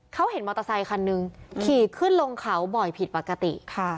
เขาเห็นมอเตอร์ไซคันหนึ่งขี่ขึ้นลงเขาบ่อยผิดปกติ